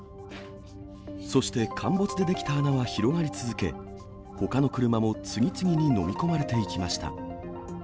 そして、陥没で出来た穴は広がり続け、ほかの車も次々に飲み込まれていきました。